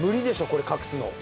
これ隠すの。